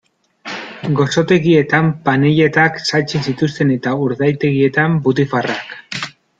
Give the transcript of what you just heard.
Gozotegietan panelletak saltzen zituzten eta urdaitegietan butifarrak.